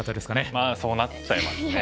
まあそうなっちゃいますね。